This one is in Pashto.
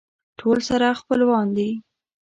ټول سره خپلوان دي.